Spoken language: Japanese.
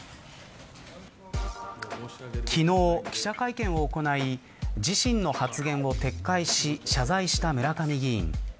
昨日、記者会見を行い自身の発言を撤回し謝罪した村上議員。